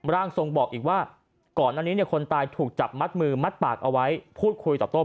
ร่างทรงบอกอีกว่าก่อนอันนี้คนตายถูกจับมัดมือมัดปากเอาไว้พูดคุยต่อโต้